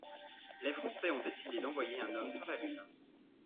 Les Français ont décidé d'envoyer un homme sur la lune.